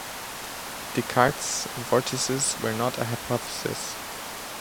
Descartes' vortices were not a hypothesis.